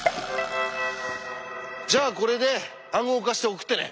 じゃあこれで暗号化して送ってね。